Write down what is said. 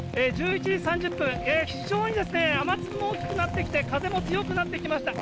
１１時３０分、非常に雨粒が大きくなってきて、風も強くなってきました。